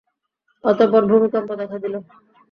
অতঃপর ভূমিকম্প দেখা দিল।